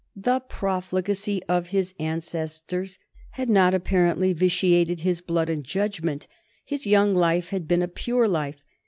The profligacy of his ancestors had not apparently vitiated his blood and judgment. His young life had been a pure life.